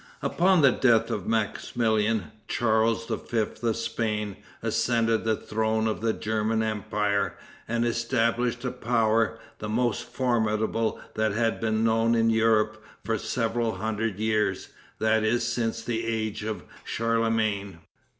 Upon the death of Maximilian, Charles V. of Spain ascended the throne of the German empire, and established a power, the most formidable that had been known in Europe for seven hundred years, that is, since the age of Charlemagne.